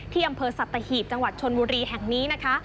อำเภอสัตหีบจังหวัดชนบุรีแห่งนี้นะคะ